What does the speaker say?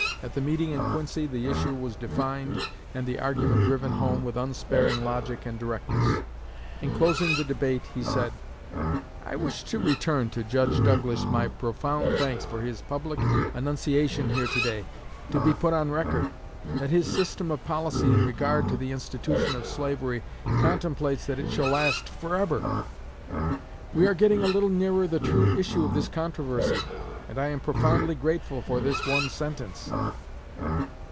At the meeting in Quincy the issue was defined and the argument driven home with unsparing logic and directness. In closing the debate, he said: I wish to return to Judge Douglas my profound thanks for his public annunciation here to day, to be put on record, that his system of policy in regard to the institution of slavery contemplates that it shall last forever. We are getting a little nearer the true issue of this controversy, and I am profoundly grateful for this one sentence.